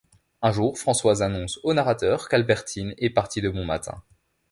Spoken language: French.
Un jour, Françoise annonce au narrateur qu’Albertine est partie de bon matin.